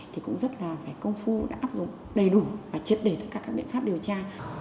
thì cũng rất là phải công phu đã áp dụng đầy đủ và triệt đề tất cả các biện pháp điều tra